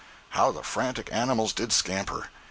How the frantic animals did scamper!